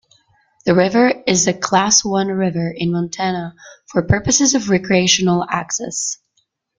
The river is a Class One river in Montana for purposes of recreational access.